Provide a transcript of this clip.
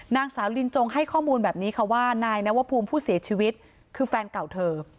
นางสาวลินจงให้ข้อมูลแบบนี้ค่ะว่านายนวภูมิผู้เสียชีวิตคือแฟนเก่าเธอ